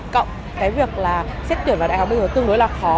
cộng cái việc là xét tuyển vào đại học bây giờ tương đối là khó